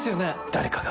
誰かが。